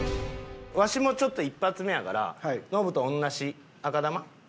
わしもちょっと１発目やからノブとおんなし赤玉。